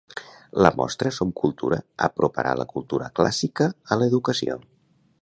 La mostra Som Cultura aproparà la cultura clàssica a l'educació.